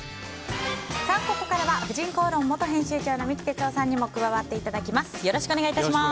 ここからは「婦人公論」元編集長の三木哲男さんにも加わっていただきます。